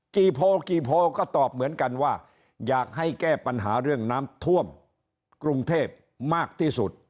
โพลกี่โพลก็ตอบเหมือนกันว่าอยากให้แก้ปัญหาเรื่องน้ำท่วมกรุงเทพมากที่สุด